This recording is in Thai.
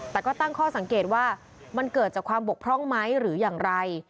แต่ก็ตั้งข้อสังเกตว่ามันเกิดจากความบกพร่องไหมหรืออย่างไร